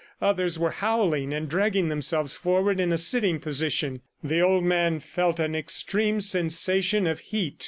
Others were howling and dragging themselves forward in a sitting position. The old man felt an extreme sensation of heat.